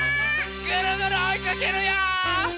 ぐるぐるおいかけるよ！